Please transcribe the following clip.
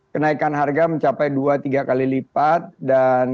kenaikan harga mencapai dua tiga kali lipat dan wisatawan nusantara yang berasal dari ntb